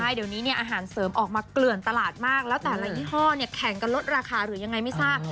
เดี๋ยวนี้เนี่ยอาหารเสริมออกมาเกลื่อนตลาดมากแล้วแต่ละยี่ห้อเนี่ยแข่งกันลดราคาหรือยังไงไม่ทราบ